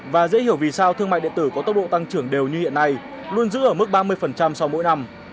và dễ hiểu vì sao thương mại điện tử có tốc độ tăng trưởng đều như hiện nay luôn giữ ở mức ba mươi sau mỗi năm